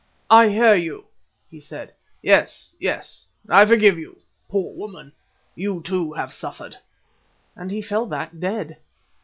"I hear you," he said. "Yes, yes, I forgive you. Poor woman! you too have suffered," and he fell back dead.